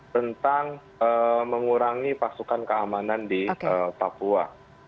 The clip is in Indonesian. tentang mengurangi pasukan keamanan di papua